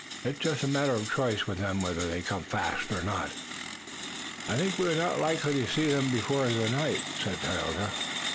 It's just a matter of choice with them whether they come fast or not." "I think we are not likely to see them before the night," said Tayoga.